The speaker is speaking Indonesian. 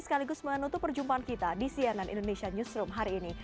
sekaligus menutup perjumpaan kita di cnn indonesia newsroom hari ini